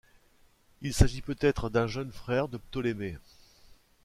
Il s'agit peut-être d'un jeune frère de Ptolémée.